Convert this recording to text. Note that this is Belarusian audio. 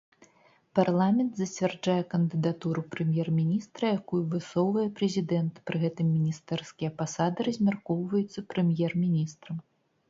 Парламент зацвярджае кандыдатуру прэм'ер-міністра, якую высоўвае прэзідэнт, пры гэтым міністэрскія пасады размяркоўваюцца прэм'ер-міністрам.